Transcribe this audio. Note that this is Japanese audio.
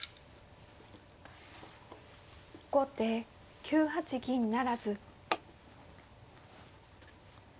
後手９八銀不成。